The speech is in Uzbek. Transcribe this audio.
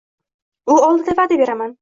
U oldida vaʼda beraman.